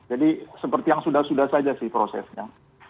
jadi seperti yang sudah sudah saja sih prosesnya